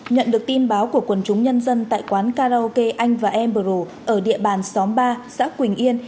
nhận được tin báo của quần chúng nhân dân tại quán karaoke anh và embro ở địa bàn xóm ba xã quỳnh yên